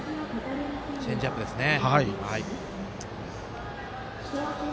チェンジアップですね。